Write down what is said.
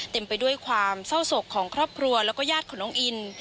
ไปด้วยความเศร้าศกของครอบครัวแล้วก็ญาติของน้องอิน